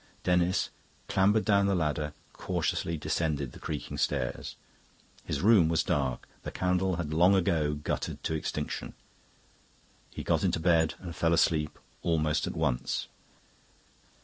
Denis clambered down the ladder, cautiously descended the creaking stairs. His room was dark; the candle had long ago guttered to extinction. He got into bed and fell asleep almost at once.